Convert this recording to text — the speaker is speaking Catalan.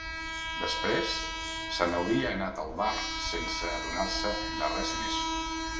Després se n'hauria anat al bar sense adonar-se de res més.